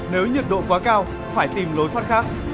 nếu nhiệt độ quá cao phải tìm lối thoát khác